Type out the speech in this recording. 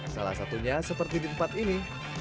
salah satunya seperti di tempat ini